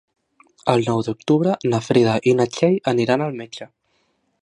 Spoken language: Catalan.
El nou d'octubre na Frida i na Txell aniran al metge.